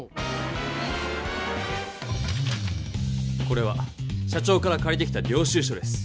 これは社長からかりてきた領収書です。